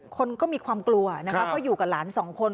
คนก็มีความกลัวนะคะเพราะอยู่กับหลานสองคน